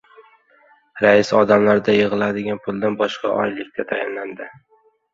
Rais odamlarda yig‘iladigan puldan boshqa oylikda tayinladi.